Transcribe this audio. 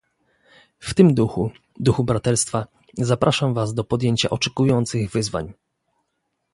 W tym duchu, duchu braterstwa, zapraszam was do podjęcia oczekujących wyzwań"